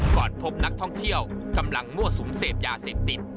ก่อนพบนักท่องเที่ยวกำลังมั่วสุมเสพยาเสพติด